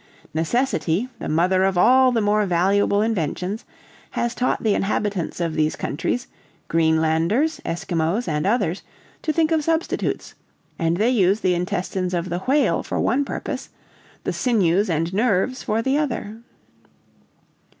Necessity, the mother of all the more valuable inventions, has taught the inhabitants of these countries, Greenlanders, Esquimaux, and others, to think of substitutes, and they use the intestines of the whale for one purpose, the sinews and nerves for the other."